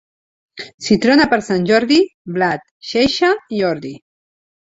Si trona per Sant Jordi, blat, xeixa i ordi.